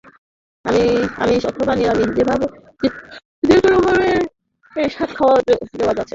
আমিষ অথবা নিরামিষ যেকোনো ভাবেই এই শাক খাওয়ার রেওয়াজ আছে।